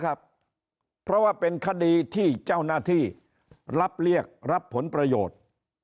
ครับเพราะว่าเป็นคดีที่เจ้าหน้าที่รับเรียกรับผลประโยชน์